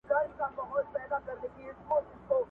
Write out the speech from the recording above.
بیا شاعران زیږوي او پیدا کوي